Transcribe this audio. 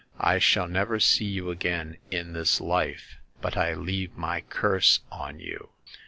I shall never see you again in this life ; but I leave my curse on you